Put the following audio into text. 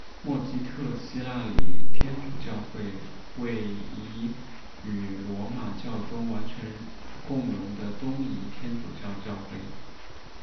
默基特希腊礼天主教会为一与罗马教宗完全共融的东仪天主教教会。